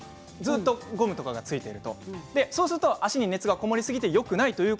ゴムとかが付いていてそうすると足に熱が籠もりすぎてよくないんです。